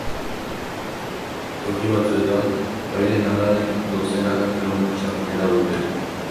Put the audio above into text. Toki batzuetan, failen haranek dozenaka kilometroko sakonera dute.